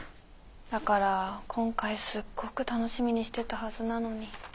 だから今回すっごく楽しみにしてたはずなのに。